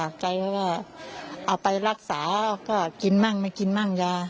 ก็ประกันตัวค่ะ